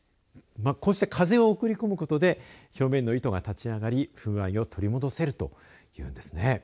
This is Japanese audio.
こうして風を送り込むことで表面の糸が立ち上がり風合いを取り戻せるというんですね。